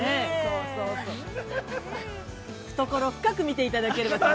懐深く見ていただければと。